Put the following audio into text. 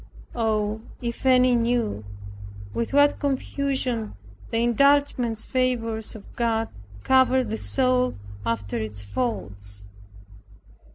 Oh, if any knew, with what confusion the indulgent favors of God cover the soul after its faults!